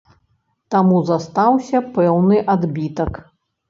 Таму застаўся пэўны адбітак.